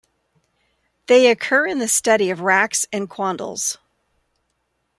They occur in the study of racks and quandles.